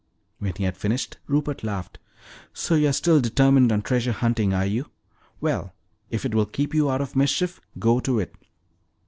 When he had finished, Rupert laughed. "So you are still determined on treasure hunting, are you? Well, if it will keep you out of mischief, go to it."